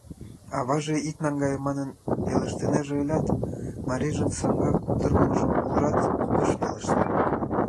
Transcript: Аваже «ит наҥгае» манын пелештынеже ылят, марийжын саҥга куптыргымыжым ужат, ыш пелеште.